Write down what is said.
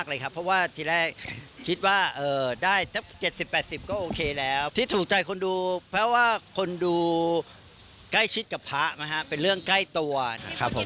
คุณคิดว่ารายได้ดีขนาดนี้มันเป็นเพราะตัวหนังหรือการตลาดของเราดีด้วย